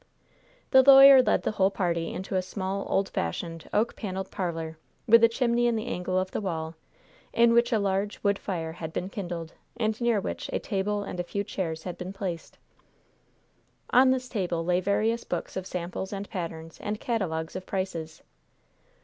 The lawyer led the whole party into a small, old fashioned, oak paneled parlor, with a chimney in the angle of the wall, in which a large, wood fire had been kindled, and near which a table and a few chairs had been placed. On this table lay various books of samples, and patterns, and catalogues of prices.